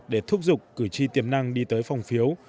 để thúc giục cử tri tiềm năng đi tới phòng phiếu